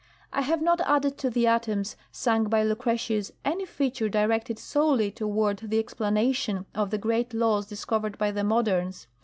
I have not added to the atoms sung by Lucretius any feature directed solely toward the explanation of the great laws discovered by the Moderns.